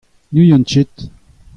N'ouzon ket !